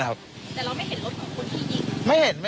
แต่เราไม่เห็นรถของคนอีก